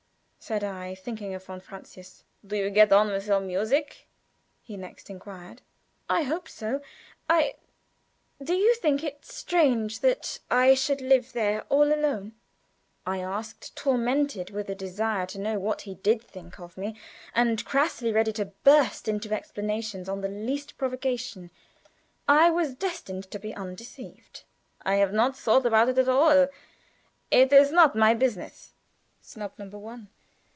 said I, thinking of von Francius. "Do you get on with your music?" he next inquired. "I hope so. I do you think it strange that I should live there all alone?" I asked, tormented with a desire to know what he did think of me, and crassly ready to burst into explanations on the least provocation. I was destined to be undeceived. "I have not thought about it at all; it is not my business." Snub number one.